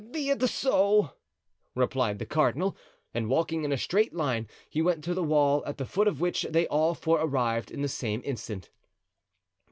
"Be it so," replied the cardinal; and walking in a straight line he went to the wall, at the foot of which they all four arrived at the same instant.